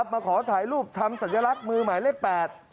มาขอถ่ายรูปทำสัญลักษณ์มือหมายเลข๘